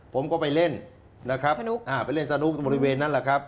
ผมก็ไปเล่นนะครับสนุกอ่าไปเล่นสนุกบริเวณนั้นแหละครับ